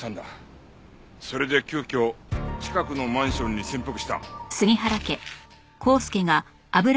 それで急遽近くのマンションに潜伏した。